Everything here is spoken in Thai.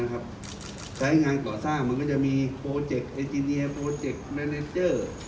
การให้งานก่อสร้างมันก็จะมีโปรเจคเอจิเนียร์โปรเจคแบรนเจอร์